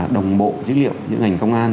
đồng bộ dữ liệu những ngành công an